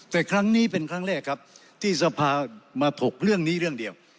แต่ครั้งนี้เป็นครั้งแรกครับที่สภามาถกเรื่องนี้เรื่องเดียว